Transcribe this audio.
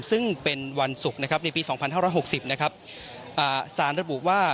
ซึ่งเป็นวันศุกร์ในปี๒๕๖๐สารระบุว่า